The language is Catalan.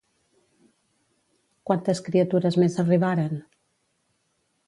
Quantes criatures més arribaren?